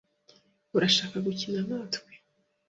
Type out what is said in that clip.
Urashaka gukina natwe?